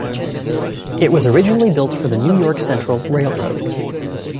It was originally built for the New York Central Railroad.